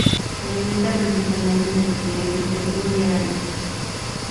Se alimenta principalmente de pequeños insectos y arañas.